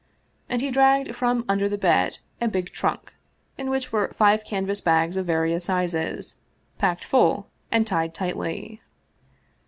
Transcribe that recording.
And he dragged from under the bed a big trunk, in which were five canvas bags of various sizes, packed full and tied tightly.